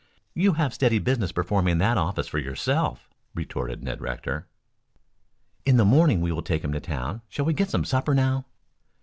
"You have steady business performing that office for yourself," retorted Ned Rector. "In the morning we will take him to town. Shall we get some supper now?"